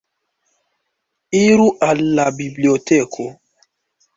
Iru al la biblioteko.